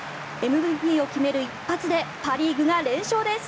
ＭＶＰを決める一発でパリーグが連勝です。